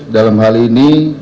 dalam hal ini